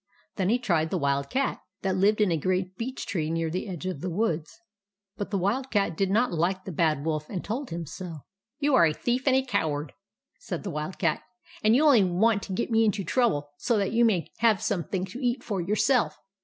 Then he tried the Wild Cat that lived in a great beech tree near the edge of the woods ; but the Wild Cat did not like the Bad Wolf, and told him so. TRICKS OF THE BAD WOLF 143 " You are a thief and a coward," said the Wild Cat ;" and you only want to get me into trouble so that you may have some thing to eat for yourself.